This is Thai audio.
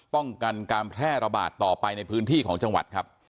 ป้องกันการแพร่ระบาดต่อไปในพื้นที่ของจังหวัดครับ